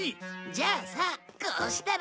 じゃあさこうしたら？